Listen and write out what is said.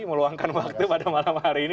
meluangkan waktu pada malam hari ini